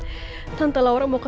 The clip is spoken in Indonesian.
saya di datang ngegal oleh anggota dia